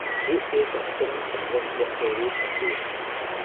ពួកគេ កំពុងបង្វឹកអ្នកចូលរួមប្រគួត ។